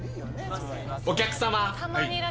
お客様。